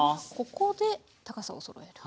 ここで高さをそろえる。